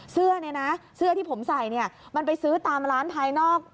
เสื้อที่ผมใส่มันไปซื้อตามร้านภายนอก